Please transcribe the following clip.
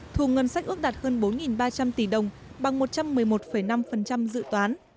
thu ngân sách ước đạt hơn bốn ba trăm linh tỷ đồng bằng một trăm một mươi một năm dự toán